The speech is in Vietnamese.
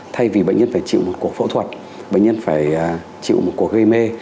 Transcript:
thay vì bệnh nhân phải chịu một cuộc phẫu thuật bệnh nhân phải chịu một cuộc gây mê